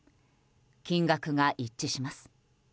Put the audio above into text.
金額が一致します。